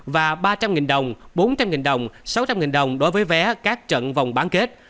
và ba trăm linh đồng bốn trăm linh đồng sáu trăm linh đồng đối với vé các trận vòng bán kết